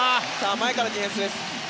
前からディフェンスです。